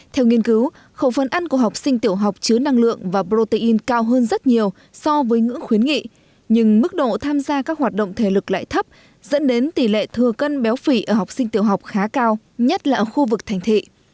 theo nghiên cứu khẩu phân ăn của học sinh tiểu học chứa năng lượng và protein cao hơn rất nhiều so với ngưỡng khuyến nghị nhưng mức độ tham gia các hoạt động thể lực lại thấp dẫn đến tỷ lệ thừa cân béo phì ở học sinh tiểu học khá cao nhất là ở khu vực thành thị